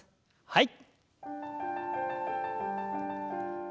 はい。